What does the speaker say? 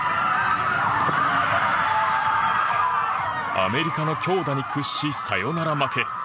アメリカの強打に屈しサヨナラ負け。